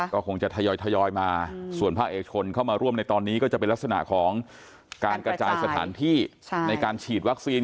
ก็คงจะทยอยมาส่วนภาคเอกชนเข้ามาร่วมในตอนนี้ก็จะเป็นลักษณะของการกระจายสถานที่ในการฉีดวัคซีน